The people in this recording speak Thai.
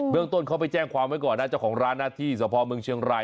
เรื่องต้นเขาไปแจ้งความไว้ก่อนนะเจ้าของร้านนะที่สพเมืองเชียงราย